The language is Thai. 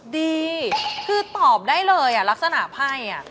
ดีคือตอบได้เลยลักษณะไพ่